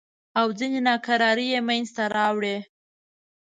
او ځینې ناکرارۍ یې منځته راوړې.